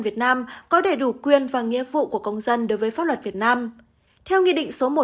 việt nam có đầy đủ quyền và nghĩa vụ của công dân đối với pháp luật việt nam theo nghị định số một trăm bốn mươi bốn